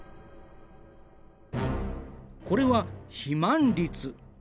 これは肥満率。